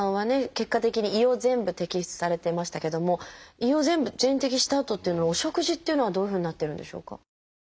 結果的に胃を全部摘出されてましたけども胃を全部全摘したあとっていうのはお食事っていうのはどういうふうになってるんでしょうか？